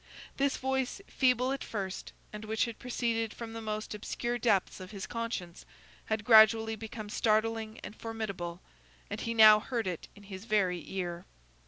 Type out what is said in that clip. This voice, feeble at first, and which had proceeded from the most obscure depths of his conscience, had gradually become startling and formidable, and he now heard it in his very ear.